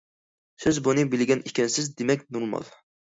سىز بۇنى بىلگەن ئىكەنسىز، دېمەك نورمال.